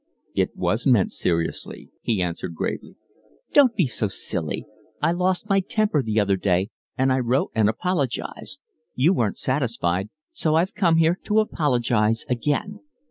"It was meant seriously," he answered gravely. "Don't be so silly. I lost my temper the other day, and I wrote and apologised. You weren't satisfied, so I've come here to apologise again.